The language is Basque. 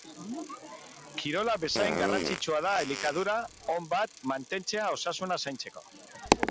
Kirola bezain garrantzitsua da elikadura on bat mantentzea osasuna zaintzeko.